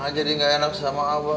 nang jadi nggak enak sama abah